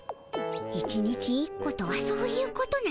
１日１個とはそういうことなのじゃ。